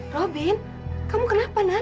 robin kamu kenapa nan